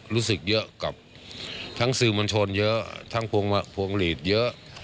รู้สึกเยอะกับทั้งสื่อมวลชนเยอะทั้งพวงหลีดเยอะ